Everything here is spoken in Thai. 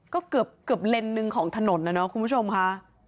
ก็เกือบเลนส์หนึ่งของถนนนะเนาะคุณผู้ชมค่ะ